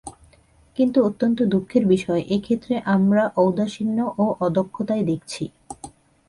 কিন্তু অত্যন্ত দুঃখের বিষয়, এ ক্ষেত্রে আমরা ঔদাসীন্য ও অদক্ষতাই দেখছি।